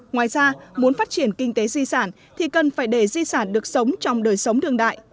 ngoài ra muốn phát triển kinh tế di sản thì cần phải để di sản được sống trong đời sống đương đại